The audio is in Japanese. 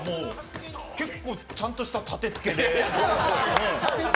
結構ちゃんとした立てつけで。